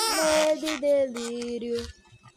Medo e delírio